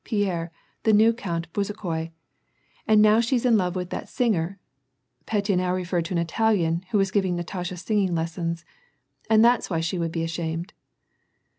Pierre, the new Count Bezukhoi), and now she's in lore with that singer (Petya now referred to an Italian, who was giving Natasha singing lessons), and that's why she would be ashamed